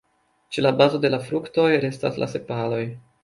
Ĉe la bazo de la fruktoj restas la sepaloj.